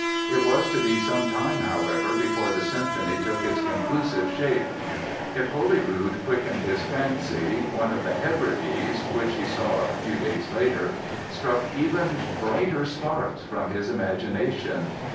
It was to be some time, however, before the symphony took its conclusive shape. If Holyrood quickened his fancy "one of the Hebrides" (which he saw a few days later) struck even brighter sparks from his imagination.